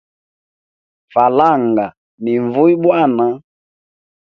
Falanga ni nvuya bwana.